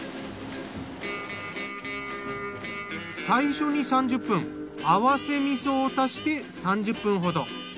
最初に３０分合わせ味噌を足して３０分ほど。